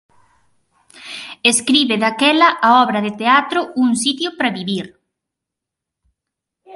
Escribe daquela a obra de teatro ""Un sitio para vivir"".